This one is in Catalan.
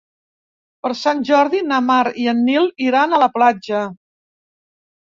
Per Sant Jordi na Mar i en Nil iran a la platja.